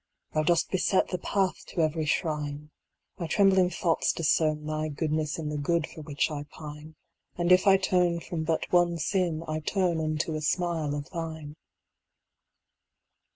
Thou dost beset the path to every shrine; My trembling thoughts discern Thy goodness in the good for which I pine ; And if I turn from but one sin, I turn Unto a smile of thine.